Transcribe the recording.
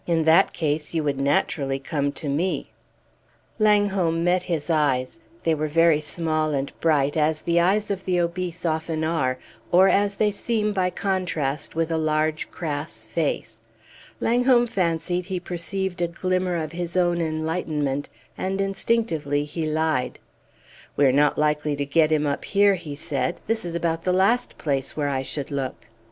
"In that case you would naturally come to me." Langholm met his eyes. They were very small and bright, as the eyes of the obese often are, or as they seem by contrast with a large crass face. Langholm fancied he perceived a glimmer of his own enlightenment, and instinctively he lied. "We are not likely to get him up here," he said. "This is about the last place where I should look!"